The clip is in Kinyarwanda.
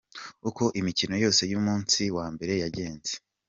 Uko imikino yose y’umunsi wa mbere yagenze.